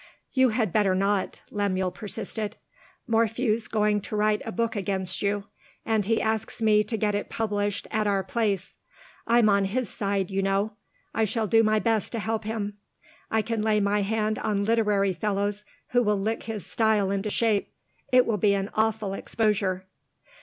"You had better not," Lemuel persisted. "Morphew's going to write a book against you and he asks me to get it published at our place. I'm on his side, you know; I shall do my best to help him; I can lay my hand on literary fellows who will lick his style into shape it will be an awful exposure!"